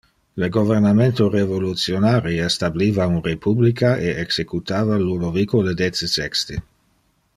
Le governamento revolutionari establiva un republica e executava Ludovico le dece-sexte.